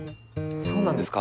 そうなんですか？